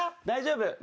大丈夫。